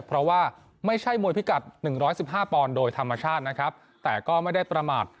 เพราะว่าไม่ใช่มวยพิกัดหนึ่งร้อยสิบห้าปอนโดยธรรมชาตินะครับแต่ก็ไม่ได้ประมาท